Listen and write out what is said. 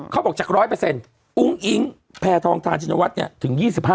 เขาบอกจาก๑๐๐อุ้งอิ๊งแพทองทานชินวัฒน์ถึง๒๕